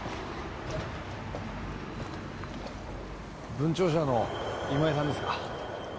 文潮社の今井さんですか？